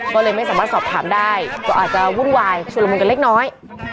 ก็เลยไม่สามารถสอบถามได้ก็อาจจะวุ่นวายชุดละมุนกันเล็กน้อย